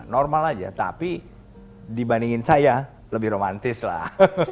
normal aja tapi dibandingin saya lebih romantis lah